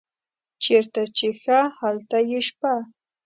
چیرته چې ښه هلته یې شپه.